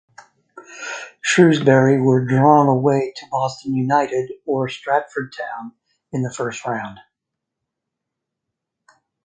Shrewsbury were drawn away to Boston United or Stratford Town in the first round.